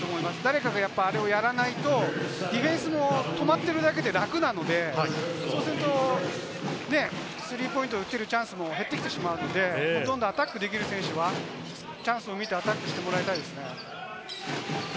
誰かがあれをやらないとディフェンスも止まっているだけで楽なので、そうするとスリーポイントを打てるシュートも減ってきてしまうので、どんどんアタックできる選手はチャンスを見て、アタックしてもらいたいですね。